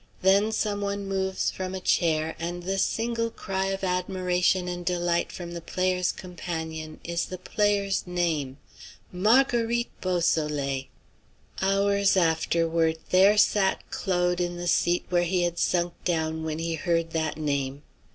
Then someone moves from a chair, and then the single cry of admiration and delight from the player's companion is the player's name, "Marguerite Beausoleil!" Hours afterward there sat Claude in the seat where he had sunk down when he heard that name.